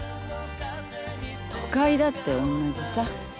都会だっておんなじさ。